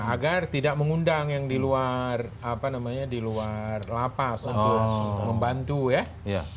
agar tidak mengundang yang di luar apa namanya di luar lapas untuk membantu ya